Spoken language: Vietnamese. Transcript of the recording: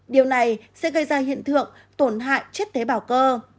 điều này sẽ gây ra hiện tượng tổn hại chất tế bào cơ